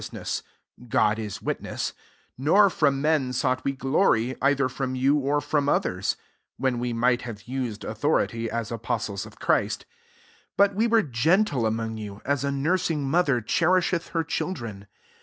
331 ousness, (God ie witness :) 6 nor from men sought we glory, either from you or from others; (when we might have used authority, as apostles of Christ:) 7 but we were gentle among you, as a nursing mother cher isheth her children.